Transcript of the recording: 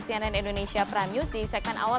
cnn indonesia prime news di segmen awal